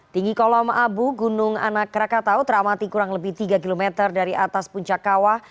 tinggi kolom abu gunung anak rakatau teramati kurang lebih tiga km dari atas puncak kawah